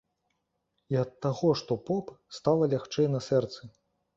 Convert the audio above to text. І ад таго, што поп, стала лягчэй на сэрцы.